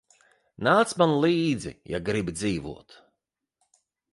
Nāc man līdzi, ja gribi dzīvot.